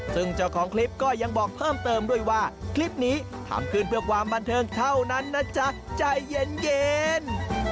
ซึ่งเจ้าของคลิปก็ยังบอกเพิ่มเติมด้วยว่าคลิปนี้ทำขึ้นเพื่อความบันเทิงเท่านั้นนะจ๊ะใจเย็น